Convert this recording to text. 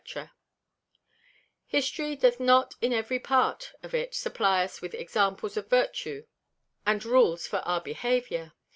_ History doth not in every Part of it supply us with Examples of Vertue and Rules for our Behaviour.